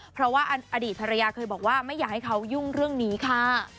เพราะว่าอดีตภรรยาเคยบอกว่าไม่อยากให้เขายุ่งเรื่องนี้ค่ะ